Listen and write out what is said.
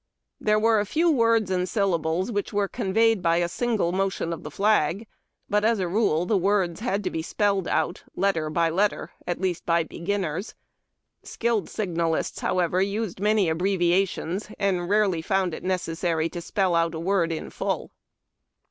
There were a few words and syllables which were conveyed by a single motion of the flag ; but, as a rule, the words had to be spelled out letter by letter, at least by beginners. Skilled signalists, however, used many abbreviations, and rarely found it necessary to spell out a word in full.